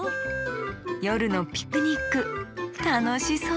よるのピクニックたのしそう！